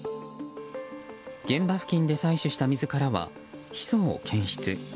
現場付近で採取した水からはヒ素を検出。